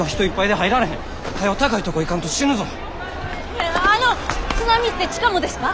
ねえあの津波って地下もですか？